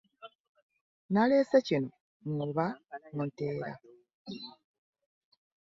Naleese kino mw'oba onteera.